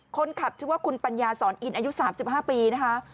คนขับชื่อว่าคุณปัญญาสอนอินอายุ๓๕ปีนะคะ